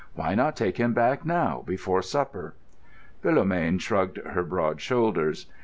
Why not take him back now before supper?" Philomène shrugged her broad shoulders.